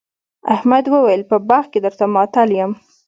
احمد وويل: په باغ کې درته ماتل یم.